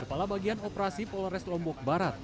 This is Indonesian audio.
kepala bagian operasi polres lombok barat